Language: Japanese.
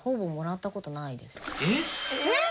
えっ！？